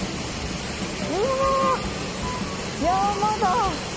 うわ山だ！